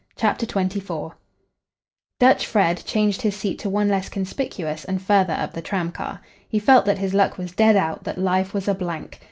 CHAPTER XXIV Dutch Fred changed his seat to one less conspicuous and farther up the tramcar. He felt that his luck was dead out, that life was a blank.